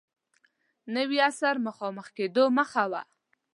نوي عصر مخامخ کېدو مخه و.